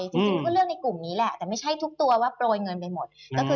จริงมันก็เลือกในกลุ่มนี้แหละแต่ไม่ใช่ทุกตัวว่าโปรยเงินไปหมด